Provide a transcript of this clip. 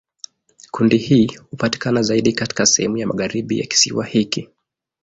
Kundi hili hupatikana zaidi katika sehemu ya magharibi ya kisiwa hiki.